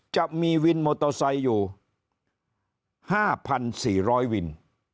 จะมีวินโมโตไซค์อยู่๕๔๐๐วิน